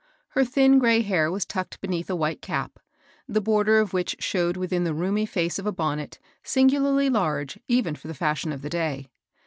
Her thin gray hair was tucked be neath a white cap, the border of which showed within the roomy face of a bonnet singularly large even for the fiishion of the day.